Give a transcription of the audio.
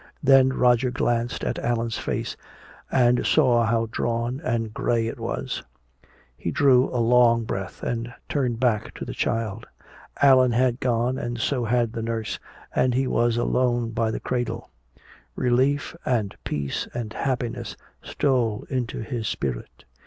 Then Roger glanced at Allan's face and saw how drawn and gray it was. He drew a long breath and turned back to the child. Allan had gone and so had the nurse, and he was alone by the cradle. Relief and peace and happiness stole into his spirit.